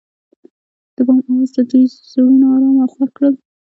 د بام اواز د دوی زړونه ارامه او خوښ کړل.